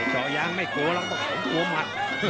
เจาะยังไม่กลัวแล้วต้องกลัวมัด